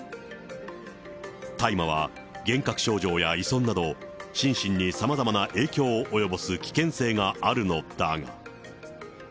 大麻は幻覚症状や依存など、心身にさまざまな影響を及ぼす危険性があるのだが。